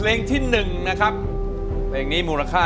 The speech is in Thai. ร้องได้เห็นแม่มีสุขใจ